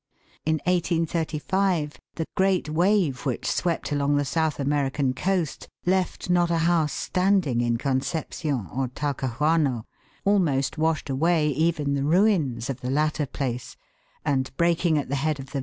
In 1835 the great wave which swept along the South American coast, left not a house standing in Concepcion or Talcahuano, almost washed away even the ruins of the latter place, and, breaking at the head of the b.